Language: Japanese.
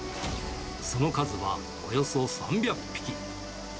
その数はおよそ３００匹。